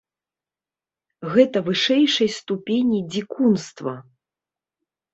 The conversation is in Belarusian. Гэта вышэйшай ступені дзікунства.